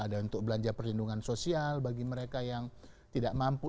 ada untuk belanja perlindungan sosial bagi mereka yang tidak mampu